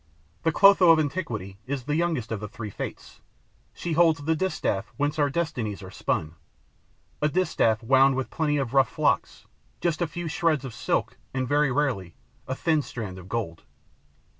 The Clotho of antiquity is the youngest of the three Fates; she holds the distaff whence our destinies are spun, a distaff wound with plenty of rough flocks, just a few shreds of silk and, very rarely, a thin strand of gold.